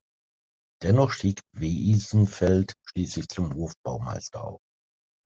Dennoch stieg Wiesenfeld schließlich zum Hofbaumeister auf.